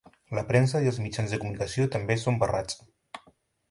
La premsa i els mitjans de comunicació també són barrats.